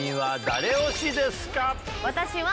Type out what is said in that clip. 私は。